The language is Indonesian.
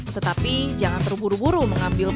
tetapi jangan terburu buru mengambil